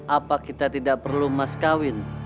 apa kita tidak perlu mas kawin